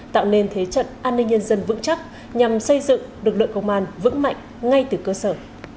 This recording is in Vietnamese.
tạo nên thế trận an ninh nhân dân vững chắc nhằm xây dựng lực lượng công an vững mạnh ngay từ cơ sở